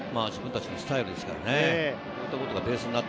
自分たちのスタイルですからね。